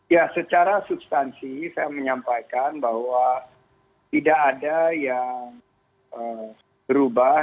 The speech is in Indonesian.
ya secara substansi saya menyampaikan bahwa tidak ada yang berubah